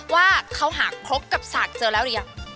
ว่าเขาหากพบกับสากเจอแล้วหรือยัง